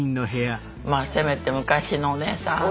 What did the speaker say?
まあせめて「昔のおねえさん」とか。